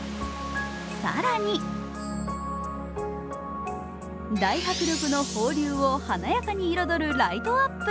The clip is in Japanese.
更に、大迫力の放流を華やかに彩るライトアップ。